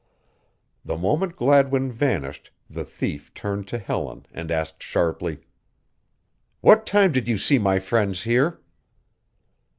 The moment Gladwin vanished the thief turned to Helen and asked sharply: "What time did you see my friends here?"